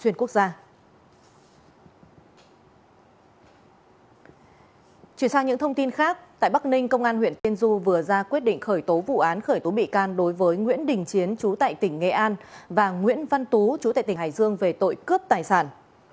chuyển sang những thông tin khác tại bắc ninh công an huyện tiên du vừa ra quyết định khởi tố vụ án khởi tố bị can đối với nguyễn đình chiến chú tại tỉnh nghệ an và nguyễn văn tú chú tại tỉnh hải dương về tội cướp tài sản